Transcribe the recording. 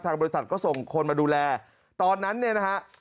บริษัทก็ส่งคนมาดูแลตอนนั้นเนี่ยนะฮะ